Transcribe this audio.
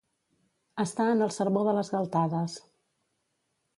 Estar en el sermó de les galtades.